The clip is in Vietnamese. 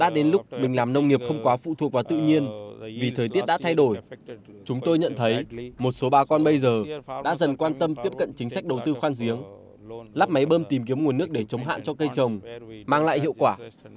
đã đến lúc mình làm nông nghiệp không quá phụ thuộc vào tự nhiên vì thời tiết đã thay đổi chúng tôi nhận thấy một số bà con bây giờ đã dần quan tâm tiếp cận chính sách đầu tư khoan giếng lắp máy bơm tìm kiếm nguồn nước để chống hạn cho cây trồng mang lại hiệu quả